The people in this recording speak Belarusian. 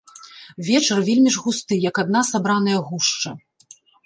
Вечар вельмі ж густы, як адна сабраная гушча.